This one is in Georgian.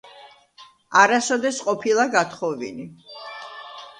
არასოდეს ყოფილა გათხოვილი.